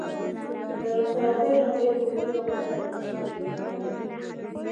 دارالخلافه یې لومړی کوفې او بیا دمشق ته انتقال کړې وه.